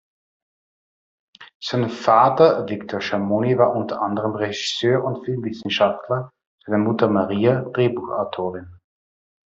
Sein Vater Victor Schamoni war unter anderem Regisseur und Filmwissenschaftler, seine Mutter Maria Drehbuchautorin.